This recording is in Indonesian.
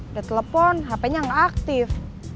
udah telepon hp nya nggak aktif